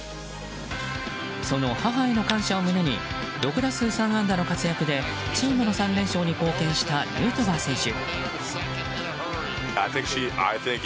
その母への感謝を胸に６打数３安打の活躍でチームの３連勝に貢献したヌートバー選手。